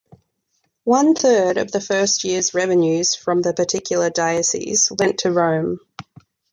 One third of the first year's revenues from the particular diocese went to Rome.